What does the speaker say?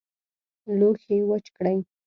لوښي وچ کړئ